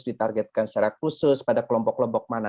ditargetkan secara khusus pada kelompok kelompok mana